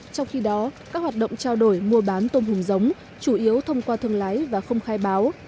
trong khi đó các hoạt động trao đổi mua bán tôm hùm giống chủ yếu thông qua thương lái và không khai báo